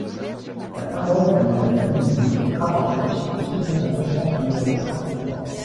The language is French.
La parole est à Madame Sabine Buis, rapporteure, pour soutenir l’amendement numéro cinquante-trois.